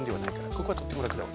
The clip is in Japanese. ここはとってもらくだわ。